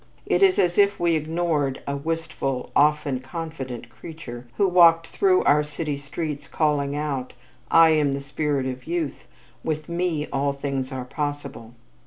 It is as if we ignored a wistful, over confident creature who walked through our city streets calling out, "I am the spirit of Youth! With me, all things are possible!"